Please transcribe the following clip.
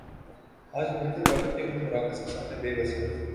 آج حکومتیں طاقت کے ان مراکز کے سامنے بے بس ہیں۔